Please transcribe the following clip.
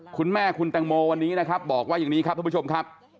คุณแม่คุณแตงโมวันนี้นะครับบอกว่าอย่างนี้ครับท่านผู้ชมครับ